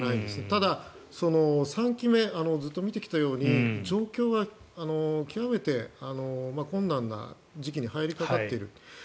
ただ、３期目ずっと見てきたように状況は極めて困難な時期に入りかかっている。